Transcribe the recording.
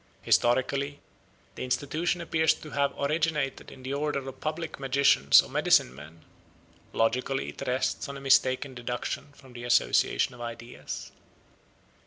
Historically, the institution appears to have originated in the order of public magicians or medicine men; logically it rests on a mistaken deduction from the association of ideas.